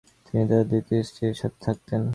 তিনি তার দ্বিতীয় স্ত্রী তুকাবাঈয়ের সাথে থাকতেন।